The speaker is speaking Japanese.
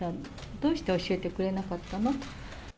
どうして教えてくれなかったの？